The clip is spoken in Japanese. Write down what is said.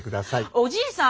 おじいさん